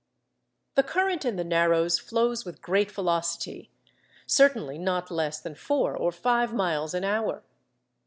The current in the Narrows flows with great velocity,—certainly not less than four or five miles an hour.